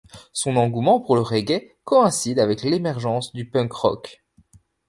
Son engouement pour le reggae coïncide avec l’émergence du punk rock.